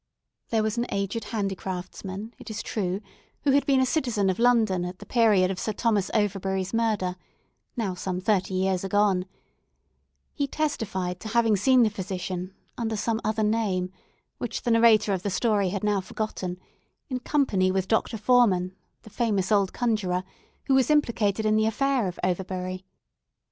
There was an aged handicraftsman, it is true, who had been a citizen of London at the period of Sir Thomas Overbury's murder, now some thirty years agone; he testified to having seen the physician, under some other name, which the narrator of the story had now forgotten, in company with Dr. Forman, the famous old conjurer, who was implicated in the affair of Overbury.